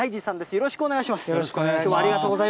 よろしくお願いします。